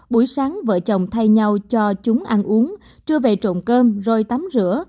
buổi sáng vợ chồng thay nhau cho chúng ăn uống trưa về trộm cơm rồi tắm rửa